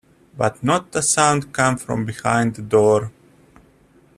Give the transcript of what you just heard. But not a sound came from behind the door.